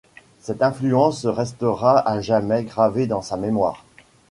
Cette influence restera à jamais gravée dans sa mémoire.